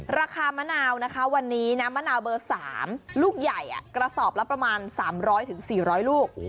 ราคามะนาวนะคะวันนี้น้ำมะนาวเบอร์๓ลูกใหญ่กระสอบละประมาณ๓๐๐๔๐๐ลูก